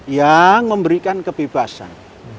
yang memberikan kebebasan